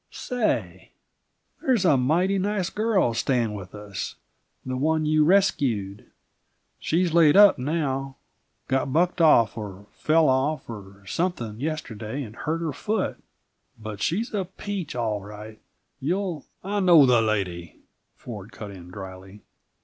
"Say, there's a mighty nice girl staying with us; the one you rescued. She's laid up now got bucked off, or fell off, or something yesterday, and hurt her foot but she's a peach, all right. You'll " "I know the lady," Ford cut in dryly.